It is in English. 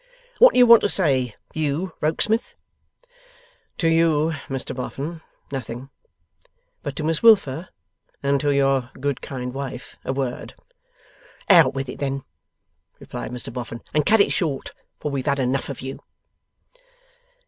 What do you want to say, you Rokesmith?' 'To you, Mr Boffin, nothing. But to Miss Wilfer and to your good kind wife, a word.' 'Out with it then,' replied Mr Boffin, 'and cut it short, for we've had enough of you.